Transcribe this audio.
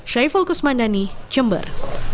syaiful kusmandani jember